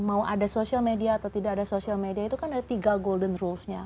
mau ada social media atau tidak ada social media itu kan ada tiga golden rules nya